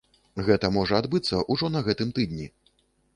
Гэта можа адбыцца ўжо на гэтым тыдні.